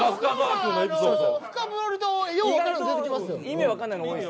意味分かんないの多い。